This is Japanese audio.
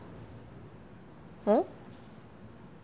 うん？